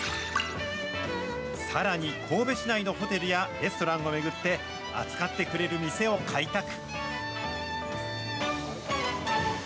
さらに、神戸市内のホテルやレストランを巡って、扱ってくれる店を開拓。